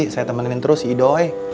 saya temenin terus si doi